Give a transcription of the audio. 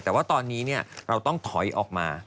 แต่ว่าตอนนี้เราต้องถอยออกมา